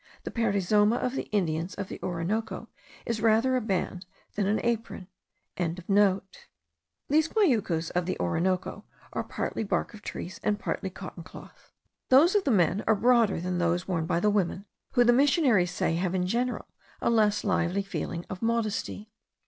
The perizoma of the Indians of the Orinoco is rather a band than an apron.) These guayucos of the Orinoco are partly bark of trees, and partly cotton cloth. Those of the men are broader than those worn by the women, who, the missionaries say, have in general a less lively feeling of modesty.